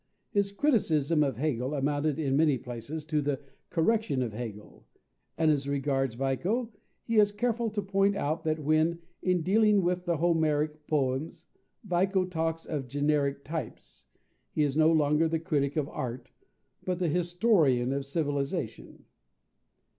His criticism of Hegel amounted in many places to the correction of Hegel; and as regards Vico, he is careful to point out, that when, in dealing with the Homeric poems, Vico talks of generic types, he is no longer the critic of art, but the historian of civilization.